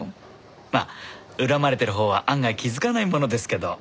まあ恨まれてるほうは案外気づかないものですけど。